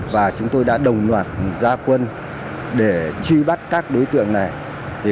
và chúng tôi đã đồng loạt gia quân để truy bắt các đối tượng này